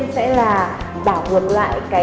sẽ là bảo ngược lại